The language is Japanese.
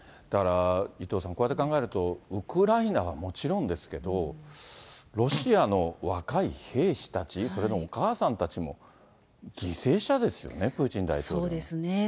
だから、伊藤さん、こうやって考えると、ウクライナはもちろんですけど、ロシアの若い兵士たち、それのお母さんたちも、犠牲者ですよね、そうですね。